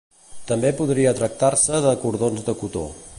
També podria tractar-se de cordons de cotó.